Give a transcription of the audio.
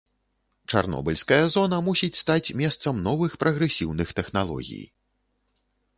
Чарнобыльская зона мусіць стаць месцам новых прагрэсіўных тэхналогій.